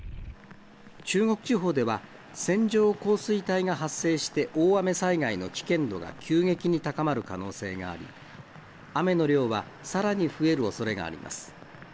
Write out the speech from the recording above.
中国地方では線状降水帯が発生して大雨災害の危険度が急激に高まる可能性があり、雨の量はさらに増えるおそれがあります。